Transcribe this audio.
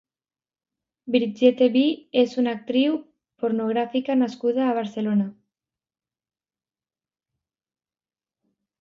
Bridgette B és una actriu pornogràfica nascuda a Barcelona.